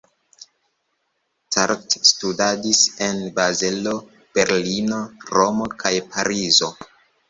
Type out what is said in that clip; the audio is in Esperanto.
Cart studadis en Bazelo, Berlino, Romo kaj Parizo.